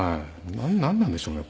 なんなんでしょうね